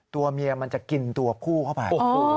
ตัวเมียมันจะกินตัวคู่เข้าไป